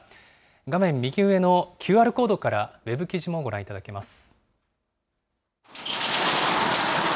画面右上のＱＲコードからＷＥＢ記事もご覧いただけます。